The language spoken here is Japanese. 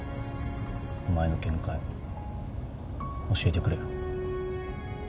お前の見解教えてくれよ。